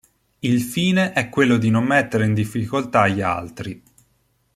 Il fine è quello di non mettere in difficoltà gli altri.